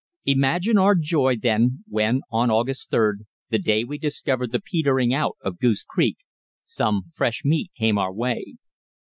Imagine our joy, then, when on August 3d, the day we discovered the petering out of Goose Creek, some fresh meat came our way.